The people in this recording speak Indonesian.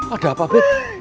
ada apa beb